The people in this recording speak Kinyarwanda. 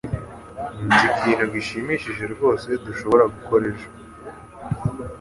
Nzi ikintu gishimishije rwose dushobora gukora ejo.